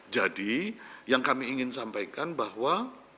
jadi yang kami ingin sampaikan bahwa